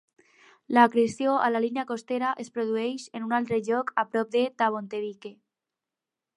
L'acreció a la línia costera es produeix en un altre lloc a prop de Tabontebike.